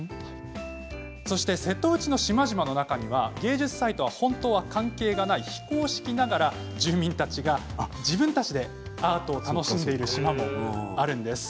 そして瀬戸内の島々の中には芸術祭とは本当は関係ない非公式ながら住民たちが自分たちでアートを楽しんでいる島もあるんです。